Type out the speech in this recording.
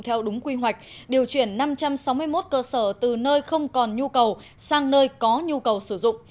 theo đúng quy hoạch điều chuyển năm trăm sáu mươi một cơ sở từ nơi không còn nhu cầu sang nơi có nhu cầu sử dụng